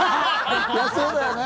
そうだよね。